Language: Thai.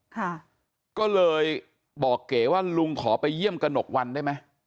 ค่ะก็เลยบอกเก๋ว่าลุงขอไปเยี่ยมกระหนกวันได้ไหม